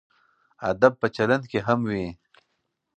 ادب په چلند کې هم وي.